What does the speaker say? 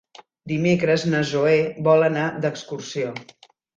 Dimecres na Zoè vol anar d'excursió.